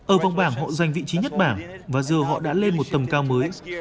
ở vòng bảng họ giành vị trí nhất bảng và giờ họ đã lên một tầm cao mới